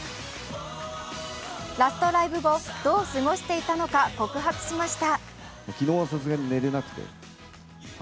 ラストライブ後、どう過ごしていたのか告白しました。